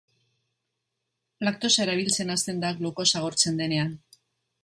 Laktosa erabiltzen hasten da glukosa agortzen denean.